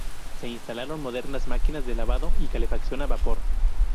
Se instalaron modernas máquinas de lavado y calefacción a vapor.